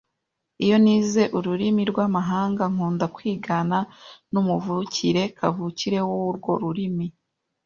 Iyo nize ururimi rwamahanga, nkunda kwigana numuvukire kavukire wurwo rurimi